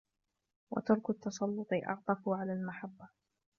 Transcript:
وَتَرْكَ التَّسَلُّطِ أَعَطْفُ عَلَى الْمَحَبَّةِ